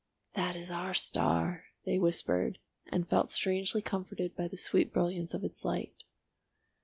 "That is our star," they whispered, and felt strangely comforted by the sweet brilliance of its light.